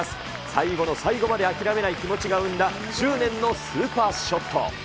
最後の最後まで諦めない気持ちが生んだ執念のスーパーショット。